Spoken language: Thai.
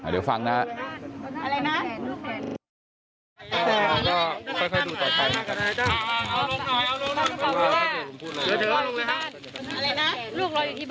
เดี๋ยวฟังนะครับ